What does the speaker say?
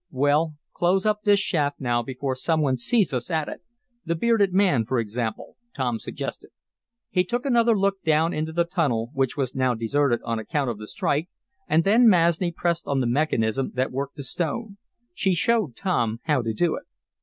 "Well, close up this shaft now before some one sees us at it the bearded man, for example," Tom suggested. He took another look down into the tunnel, which was now deserted on account of the strike, and then Masni pressed on the mechanism that worked the stone. She showed Tom how to do it.